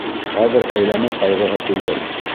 Хәҙер әйләнеү ҡайғыһы түгел.